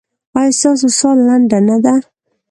ایا ستاسو ساه لنډه نه ده؟